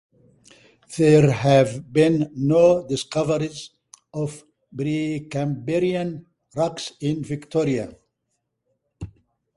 There have been no discoveries of Precambrian rocks in Victoria.